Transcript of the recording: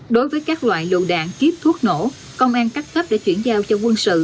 đối với các loại lụ đạn kiếp thuốc nổ công an cắt thấp để chuyển giao cho quân sự